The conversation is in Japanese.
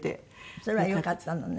それはよかったのね。